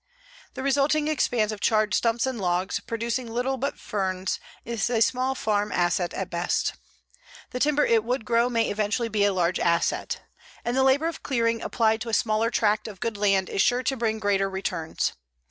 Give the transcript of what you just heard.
The resulting expanse of charred stumps and logs, producing little but ferns, is a small farm asset at best. The timber it would grow may eventually be a large asset. And the labor of clearing applied to a smaller tract of good land is sure to bring greater returns.